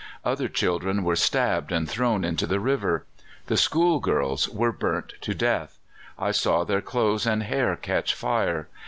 Other children were stabbed and thrown into the river. The school girls were burnt to death. I saw their clothes and hair catch fire.